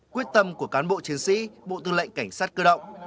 quyết tâm của cán bộ chiến sĩ bộ tư lệnh cảnh sát cơ động